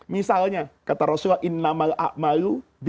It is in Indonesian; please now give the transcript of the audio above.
misalnya kata rasulullah